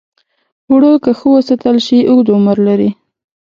اوړه که ښه وساتل شي، اوږد عمر لري